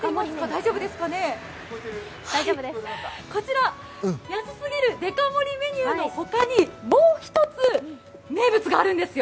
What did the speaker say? こちら、安すぎるデカ盛りの他にもう１つ、名物があるんですよ。